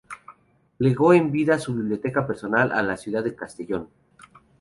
Legó en vida su biblioteca personal a la ciudad de Castellón.